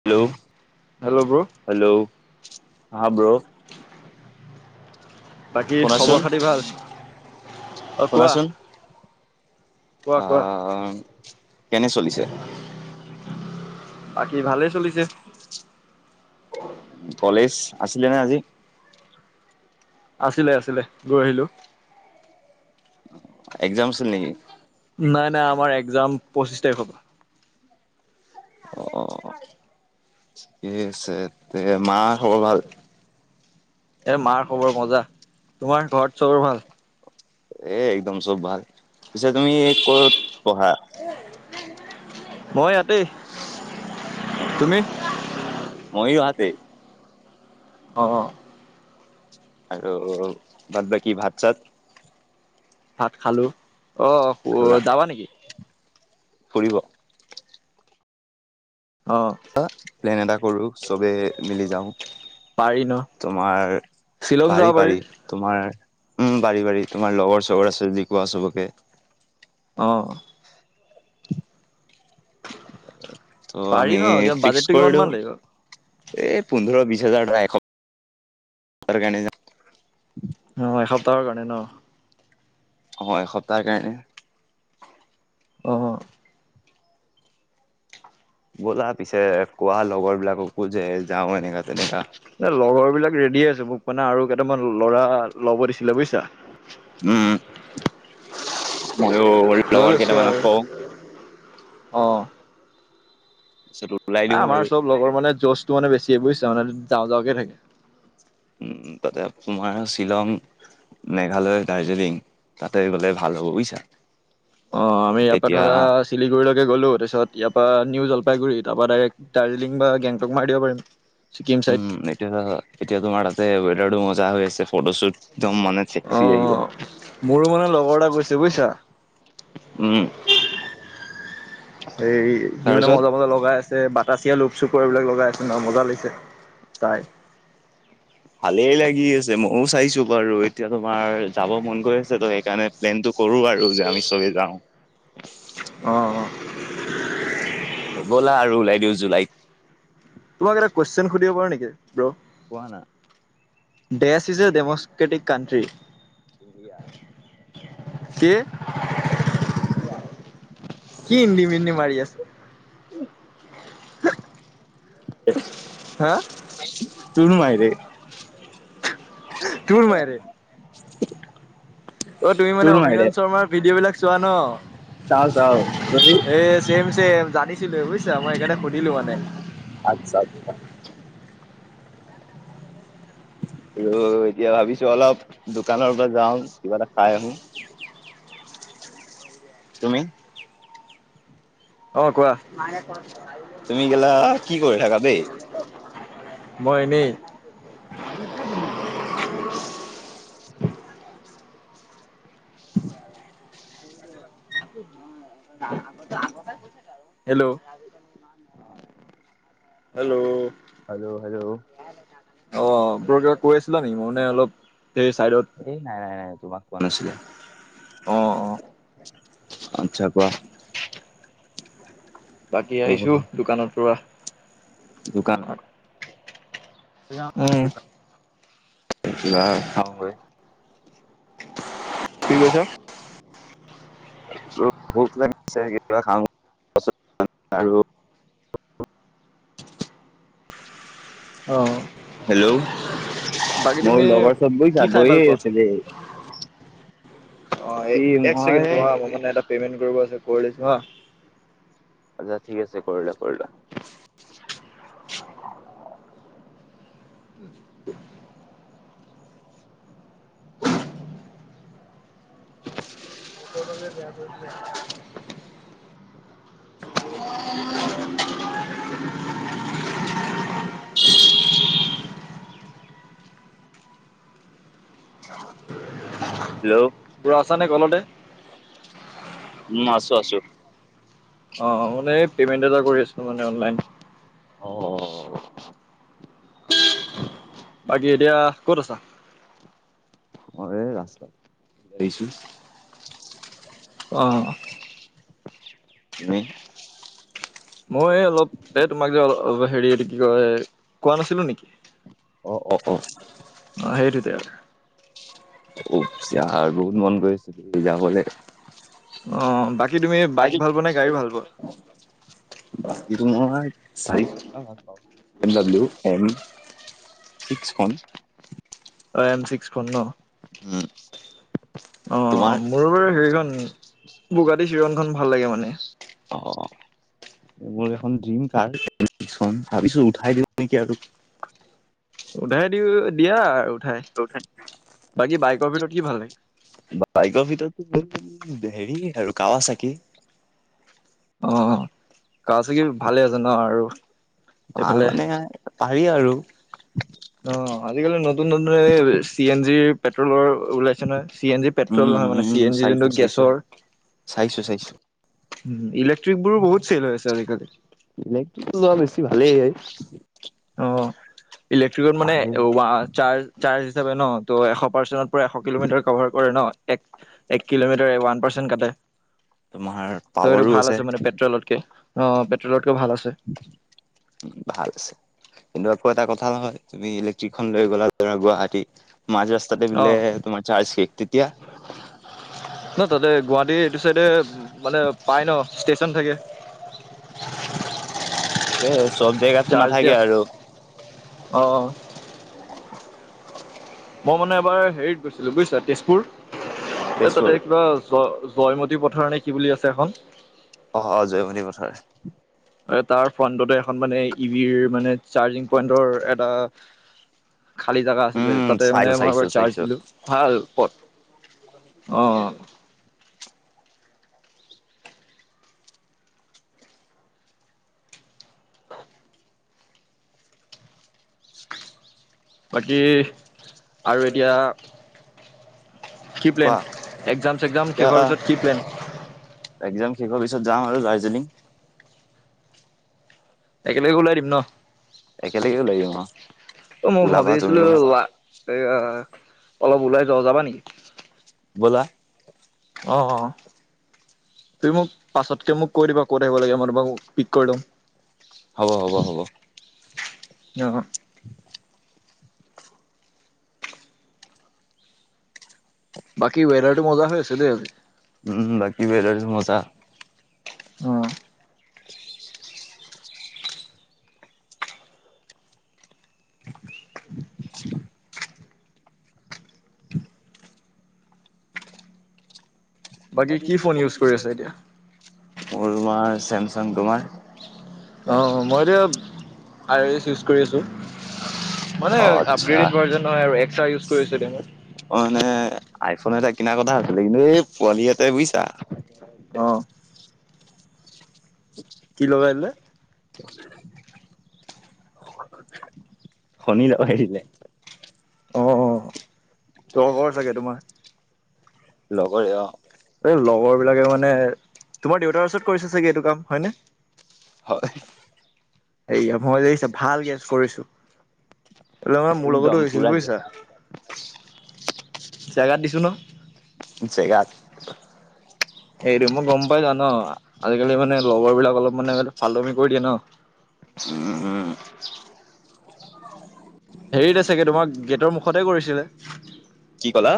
Hello, hello bro hello হা bro. বাকী খবৰ শুনাচোন খাতি ভাল অ কোৱা শুনাচোন, কোৱা কোৱা অহ কেনে চলিছে? বাকী ভালেই চলিছে? কলেজ আছিলে নে আজি? আছিলে আছিলে, গৈ আহিলো। এক্সাম আছিল নেকি? নাই নাই, আমাৰ এক্সাম পঁচিশ তাৰিখপা এই আছে এ মা খবৰ ভাল? এ মাৰ খবৰ মজা। তোমাৰ ঘৰত চবৰ ভাল? এ একদম চব ভাল। পিছে তুমি ক'ত পঢ়া? মই ইয়াতেই। তুমি মই ইয়াত ই অ। আৰু বাদ বাকী ভাত চাত? ভাত খালো। অ খালা যাবা নেকি? ফুৰিব? অ হ প্লেন এটা কৰো, চবে মিলি পাৰি যাওঁ। ন তোমাৰ শ্বিলং যাব পাৰি পাৰি তোমাৰ উম পাৰি পাৰি তোমাৰ লগৰ চবৰ আছে যদি কোৱা চবকে। অঁ [unintelligible] ত পাৰি আমি ন ফিক্স বাজেটটো কৰি কিমান মান দিও লাগিব এই পোন্ধৰ বিশ [unintelligible] অ এসপ্তাহৰ কাৰণে ন? অ এসপ্তাহ কাৰণে, আহ গ'লা পিছে কোৱা লগৰ বিলাককো যে যাও এনেকা তেনেকা ন লগৰ বিলাক ৰেডি আছে মোক মানে আৰু কেইটামান ল'ৰা ল'ব দিছিলে বুজিছা। উম অ লৈ লগৰকেইতা মানক কওঁ অঁ পিছত ওলাই দিওঁ আৰু আমাৰ চব লগৰ মানে জচ তোৰ মানে বেছি বুজিছা মানে যাওঁ যাওঁকে থাকে। উ তাতে তোমাৰ শ্বিলং, মেঘালয়, দাৰ্জিলিং তাতে গ'লে ভাল হ'ব বুজিছা। অ আমি ইয়াৰ পৰা এতিয়া ধৰা চিলিগুৰিলৈকে গ'লো তাৰপিছত তেতিয় পৰাা নিউ জলপাইগুৰি তাৰপ পৰা ডাইৰেক্ট দাৰ্জিলিং বা গেংটক মাৰ দিব পাৰিম। ছিকিম চাইড উম নিতি এতিয়া [unintelligible] তে ৱেদাৰ টো মজা হৈ আছে। ফটো চুট [unintelligible] অ মোৰো মানে লগৰ এটা গৈছে বুজিছা। উম সেই সমানে তাৰপিছত মজা মজা লগাই আছে ব কাচিয়া লোপচুপ এইবিলাক লগাই আছে ন মজা লাগিছে চাই ভালেই লাগি আছে ময়ও চাইছো বাৰু এতিয়া তোমাৰ যাব মন কৰি আছে ত সেইকাৰণে প্লেনতটো কৰো আৰু যে আমি চবে যাওঁ অ' অ' গ'লা আৰু ওলাই দিও জুলাইত তোমাক এটা কুৱেশন সুধিব পাৰা নেকি ব্ৰ কোৱা ন, দেশ ইজ এ ডেমক্ৰেটিক কণ্ট্ৰি। কে কি ইডিমণ্ডি মাৰি আছে। উম। [inaudible] হা তুনাই দে [unintelligible] তুৰ মাইৰে অ তুমি মানে তোৰ মাইৰে অহিৰন্দ শৰ্মাৰ ভিডিঅ' বিলাক চোৱা ন চাও চাও এ ছেম ছেম জানি ছিল বুজছ মই সেই কাৰণে সুধিলো মানে আচ্ছা আচ্ছা আৰু এতিয়া ভাবিছো অলপ দোকানৰ পৰা যাও কিবা এটা খাই আহো তুমি? অ'কোৱা। তুমি গলা কি কৰি থকা দেই? [unintelligible] মই এনেই। [inaudible] হেল্ল'। হেল্ল'। হেল্ল'হেল্ল'। অ বোৰ কিবা কৈ আছিলা নেকি? মোৰ মানে অলপ। সেই চাইডত এই নাই, নাই, নাই। তোমাক কোৱা নাছিলে। অ অ আত্ছা, কোৱা? বাকী আহিছো, দোকানৰ পৰা। দোকান [unintelligible] উম। [unintelligible] কি কৈছ? ভোক লাগিছে কা খা আৰু। অ হেল্ল'। বাকী মোৰ তুমি লগৰ চব গৈ কি চ খাই গয়ে ভাল পোৱা আছিলে। কি মই অ'একছেকেণ্ড হা, মোৰ মানে এটা পেমেট কৰিব আছে। কৰি লৈছো হ ও। হব ঠিক আছে কৰিলোৱা, কৰিলোৱা। দ [unintelligible] হেল্ল'। ব় আছ নে কলতে। উম', আছো, আছো। অ'মানে পেমেণ্ট এটা কৰি আছো, মানে অনলাইন। অ বাকী, এতিয়া ক'ত আছ? দিছো। অহ। তুমি মই অলপ এই তোমাক যে অলপ হেৰিটো কি কয়, কোৱা নাছিলো নেকি? অ অ অ অ সেইটোতে আৰু। উফ বহুত মন গৈছে তু যাবলে। অ' বাকী। কি তুমি বাইক ভাল পোৱা নে, গাড়ী ভাল পোৱা? বাকী ময় চাৰি-চকীয়া ভাল পাওঁ। বি এম ডাব্লিউ এন ছিক্সখন। অ এম চিক্স খন ন? উম তোমাৰ অ'মোৰো বাৰু সেইখন। গুৱাহাটী চিৰনখন ভাল লাগে মানে। অ মোৰ এখন ডিম কাৰ তাৰপিছত উঠাই দিব নেকি আৰু।। ৰেদি কৰি দিয়া আৰু। উঠাই বাকী বাইকৰ ভিতৰত কি ভাল লাগে বাই ভিতৰত। হেৰি আৰু কাৱা চাকি। অঁ, কাৱাচানি অঁ, ভালে আছে ন আৰু। ভাল এইফালে মানে পাৰি আনুপাতিক আৰু অ আজিকালি নতুন নতুন এই চি এন জিৰ পেট্ৰলৰ ওলাইছে নহয় চি এন জি উম পেট্ৰল নহয় মানে চি উম এন জি চাইছো যোনটো চাইছো গেছৰ চাইছো চাইছো উ ইলেক্ট্ৰিক বোৰো বহুত চেল হৈ আছে আজিকালি। বলেৰু লোৱা বেছি ভালেই হয় অঁ ইলেক্ট্ৰিকেল ভালেই মানেৱাৰ্ চাৰ্জ ন ত এশ পাৰ্চ পৰা এ কিলোমিটাৰ কভাৰ কৰে ন এক কিলোমিটাৰ ওৱান পাৰ্চেট কাটে তোমাৰ তইটো পাৱাৰো ভাল আছে মানে পেট্ৰলতকে অঁ পেট্ৰল ক ভাল আছে ভাল আছে কিন্তু আকৌ এটা কথা নহয় তুমি ইলেক্ট্ৰিকখন লৈ গ'লা ধৰা গুৱাহাটী মাজ ৰাস্তাতে বোলে অঁ, তোমাৰ চাৰ্জ শেষ তেতিয়া ন তাতে গুৱাহাটী এইটো চাইডে মানে পাই ন ষ্টেচন থাকে। [inaudible] এ চব জেগাতো নাথাকে আৰু অঁ, - মই মানে এবাৰ হেৰিত গৈছিলো বুজিছা তেজপুৰ তেজপুৰ এইটো ভাল জ জয়মতী পথাৰ নে কি বুলি আছে এখন অঁ জয় মতি পথাৰ। তাৰ ফ্ৰণ্টতে এখন মানে ই ভিৰ মানে চাৰ্জিং পইন্টৰ এটা। খালী জাগা আছিলে উম তাতে চাইছো মানে মই চাইছো বাৰ চাৰ্জ চাইছো দিলো ভাল পথ অঁ বাকী আৰু এতিয়া কি প্লেন কোৱা একজাম চেগ্জাম শেষ এতিয়া হোৱাৰ পিছত কি প্লেন তাৰ পিছত যাওঁ আৰু দাৰ্জিলিং একেলগে ওলাই দিম ন। একেলগে ওলাই দিম আৰু অঁ মই ওলাবা ভাবিছিলো তুমিও এ অলপ ওলাই যোৱা যাবা নেকি ব'লা অঁ তুমি মোক পাছতকে মোক কৈ দিবা ক'ত আহিব লাগে মই তোমাক মোক পিক কৰি লওঁ হ'ব হ'ব হ'ব অঁ বাকী বেৰাটো মজা হৈ আছে দেই আজি। উম বাকী ৱাটাৰ আজি মজা। অ বাকী কি ফোন ইউজ কৰি আছে এতিয়া। মোৰ মা চেমচং তোমাৰ। অ মই এতিয়া আইছ ইউজ কৰি আছো। মানে অ', আচ্ছা। আপগ্ৰড ভাৰ্ হয় এক্ ই কৰিছ [unintelligible] অ', মানে আইফোন এটা কিনাৰ কথা আছিলে কিন্তু এই পোৱালি এটাই বুজিছা। [unintelligible] অ', [unintelligible] [inaudible] কি লগাই দিলে। শনি লগাই দিলে। অ অ তগ চাগে তোমাৰ লগৰে অ এই লগৰ বিলাকে মানে তোমাৰ দেউতাৰ ওচৰত কৰিছো চাগে এইটো কাম হয়নে [unintelligible] হয় এইয়া মই দেখিচা ভাল গেছ কৰিছো। তাৰ মোৰ একদম লগতো হৈছিল পুৰা বুজিছা। জেগাত জেগাত দিছো ন। জেগাত। এইটো মই গম পাই যা ন আজিকালি মানে লগৰ বিলাক অলপ মানে ফালটোৱামি কৰি দিয়ে ন। উম, উম, হেৰিত চাগে তোমাক গেটৰ মুখতে কৰিছিলে। কি কলা।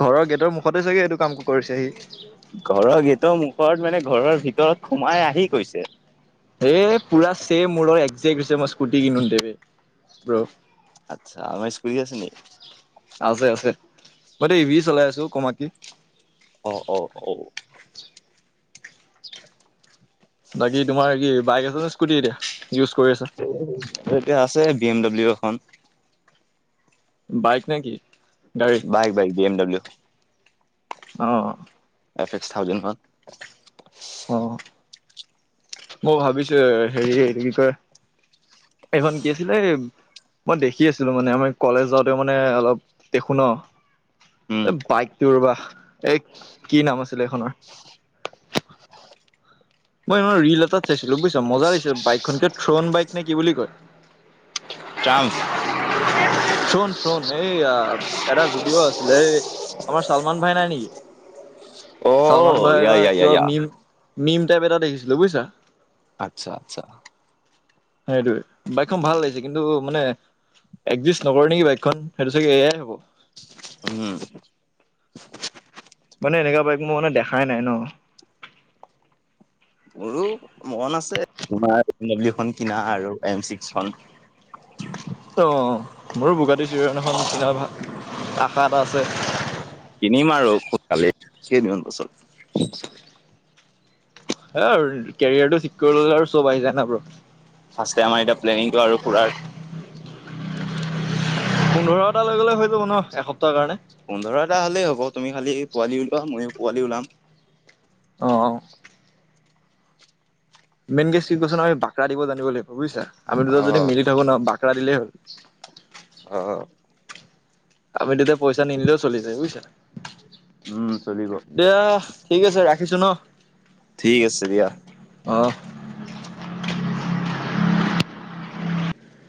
ঘৰৰ গেটৰ মুখতে চাগে এইটো কাম কৰিছেহি ঘৰৰ গেটৰ মুখত মানে ঘৰৰ ভিতৰত সোমাই আহি কৈছে। এ পুৰা ছেম মোৰ লগ একজেক্ট হৈছে মই স্কুটি কিনো দে [unintelligible] আচ্ছা আমাৰ স্কুল আছে ন। আছে আছে। মই এতিয়া ইভি চলাই আছো কমাকি। অ অ অ অ বাকী তোমাৰ কি বাইক আছে নে স্কুটি এতিয়া। ইউজ কৰি আছা এতিয়া আছে বি এম ডাব্লিউ এখন। বাইক নেকি। Bike bike B M W অ এফ এক্স থাউজেণ্ড ম অ মই ভাবিছো হেৰি এইটো কি কয় এইখন কি আছিলে এই মই দেখি আছিলো মানে আমাৰ কলেজ যাওঁতে মানে অলপ দেখো ন উম, এ বাইকটো ৰবা এই কি নাম আছিলে এইখনৰ [unintelligible] মই ইমান ৰিল এটাত চাইছিলো বুজিছা মজা লাগছিল বাইকখনকে থ্ৰন বাইক নে কি বুলি কয়। [unintelligible] ট্ৰান্স চোন চোন এই এটা ভিডিঅ' আছিলে এই আমাৰ চালমান ভাই নাই নেকি? চালমান অ', ভাই য়া য়া য়া কা য়া। মিম নিম টেপ এটা দেখিছিলোঁ বুজিছা আচ্ছা আচ্ছা সেইটোৱে বাইকখন ভাল লাগিছে কিন্তু মানে একজিষ্ট নকৰে নেকি বাইকখন সেইটো চাগে এয়াই হ'ব উম, [unintelligible] মানে এনেকুৱা বাইক মোৰ মানে দেখাই নাই ন মোৰো মন আছে তোমাৰ বি [unintelligible] এ ডাব্লিউ খন কিনা আৰু এম চিক্সখন [unintelligible] অ মোৰো বোগাটো চিৰিয়ণ এখন কিনা ভাগ আশা এটা আছে কিনিম আৰু সোনকালে কেইদিনমান পাছত হ আৰু কেৰিয়াৰটো ঠিক কৰি ললে আৰু চব আহি যায় না ব্ৰ। [unintelligible] প্লেনিংটো আৰু পুৰাৰ পোন্ধৰটা লৈ গলে হৈ যাব ন এসপ্তাহৰ কাৰণে। পোন্ধৰটা হলেই হ'ব তুমি খালি পোৱালি ওলোৱা মইয়ো পোৱালি ওলাম। অঁ মেইন গেছ কি কৈছ ন আ বাকৰা দিব জান লাগিব বুইছা আমি দুটা যদি অ', মিলি থাকো ন বাক খেলা দিলেই হ'ল অ আমিটোতো পইচা নিনিলেও চলি যায় বুইছা উম, চলিব দিয়া ঠিক আছে ৰাখ ৰাখিছো ন ঠিক আছে দিয়া অহ